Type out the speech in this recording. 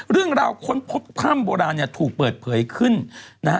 เรื่องราวคนพบพร่ำโบราณเนี่ยถูกเปิดเผยขึ้นนะ